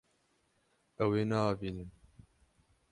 Ew ê neavînin.